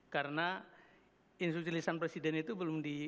karena insurjilisan presiden itu belum dikumpulkan